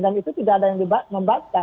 dan itu tidak ada yang membakar